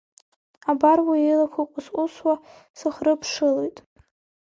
Абар уи илақәа ҟәыс-ҟәысуа сырхыԥшылоит.